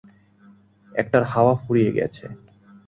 একটার হাওয়া ফুরিয়ে গেছে।